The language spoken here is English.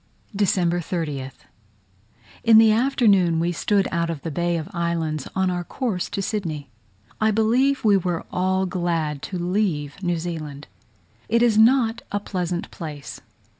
December 30th. In the afternoon we stood out of the Bay of Islands, on our course to Sydney. I believe we were all glad to leave New Zealand. It is not a pleasant place.